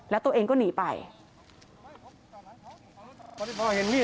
แล้วตัวเองก็หนีไป